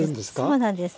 そうなんです。